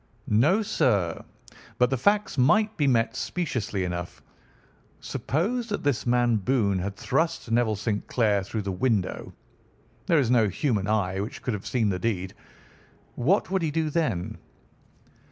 "No, sir, but the facts might be met speciously enough. Suppose that this man Boone had thrust Neville St. Clair through the window, there is no human eye which could have seen the deed. What would he do then?